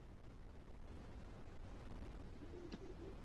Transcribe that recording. ملک کی سیکیورٹی کے لیے خطرہ ہوگی